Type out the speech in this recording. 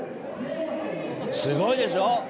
すごいでしょ？